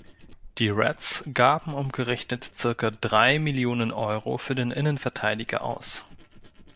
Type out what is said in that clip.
Die Reds gaben umgerechnet circa drei Millionen Euro für den Innenverteidiger aus.